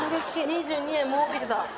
２２円もうけてた。